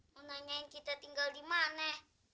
menanyain kita tinggal di mana